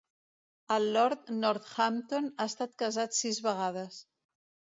El Lord Northampton ha estat casat sis vegades.